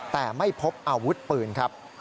แต่ไม่พบอาวุธปืนครับ